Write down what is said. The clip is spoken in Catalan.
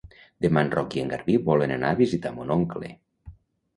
Demà en Roc i en Garbí volen anar a visitar mon oncle.